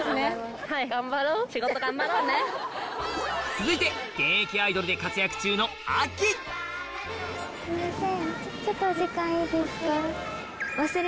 続いて現役アイドルで活躍中のあきすいません。